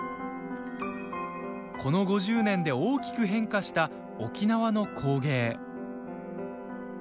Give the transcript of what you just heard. この５０年で大きく変化した沖縄の工芸。